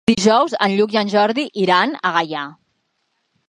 Dijous en Lluc i en Jordi iran a Gaià.